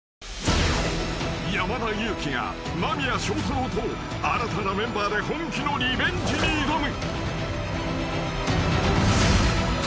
［山田裕貴が間宮祥太朗と新たなメンバーで本気のリベンジに挑む］